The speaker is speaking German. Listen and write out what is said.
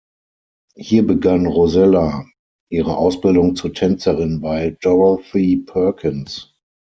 Hier begann Rosella ihre Ausbildung zur Tänzerin bei Dorothy Perkins.